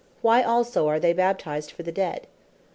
why also are they Baptized for the dead?"